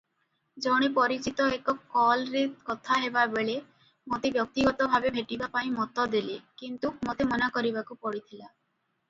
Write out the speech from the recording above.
ଜଣେ ପରିଚିତ ଏକ କଲରେ କଥା ହେବା ବେଳେ ମୋତେ ବ୍ୟକ୍ତିଗତ ଭାବେ ଭେଟିବା ପାଇଁ ମତ ଦେଲେ କିନ୍ତୁ ମୋତେ ମନା କରିବାକୁ ପଡ଼ିଥିଲା ।